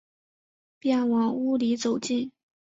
便往屋里走进